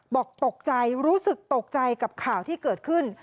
บอกตกใจรู้สึกตกใจกับข่าวที่เกิดขึ้น